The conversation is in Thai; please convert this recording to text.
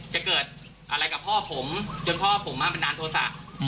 จะเกิดอะไรกับพ่อผมจนพ่อผมบันดาลโทษะ